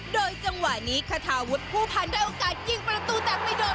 โดยจังหวะนี้ขทาวุทธผู้พันธุ์ด้วยโอกาสยิงประตูแต่ไม่โดน